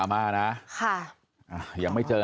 รถมันมาตั้งแต่๓โมงหรือ๔โมง